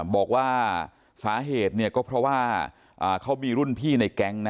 บอกว่าสาเหตุก็เพราะว่าเขามีรุ่นพี่ในแก๊ง